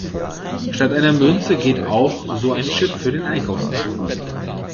Statt einer Münze geht auch so ein Chip für den Einkaufswagen.